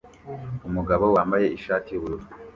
Umugabo wambaye ishati yubururu